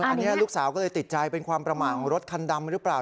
อันนี้ลูกสาวก็เลยติดใจเป็นความประมาทของรถคันดำหรือเปล่า